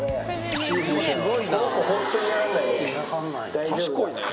大丈夫だ。